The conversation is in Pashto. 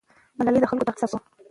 ملالۍ د خلکو د غیرت سبب سوه.